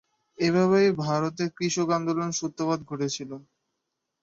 এভাবেই ভারতে কৃষক আন্দোলনের সূত্রপাত ঘটেছিল।